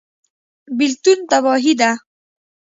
بیلتون تباهي ده